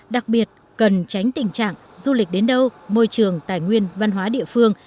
đặc biệt cần tránh tình trạng du lịch đến đâu môi trường tài nguyên văn hóa địa phương